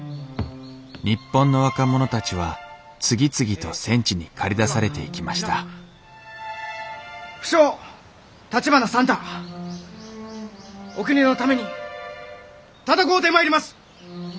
日本の若者たちは次々と戦地に駆り出されていきました不肖橘算太お国のために戦うてまいります！